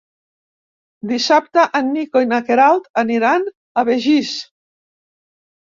Dissabte en Nico i na Queralt aniran a Begís.